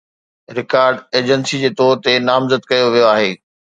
record agency جي طور تي نامزد ڪيو ويو آهي